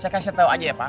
saya kasih tau aja ya pak